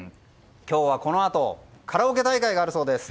今日はこのあとカラオケ大会があるそうです。